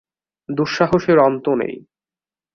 দুঃসাহসের অন্ত নেই।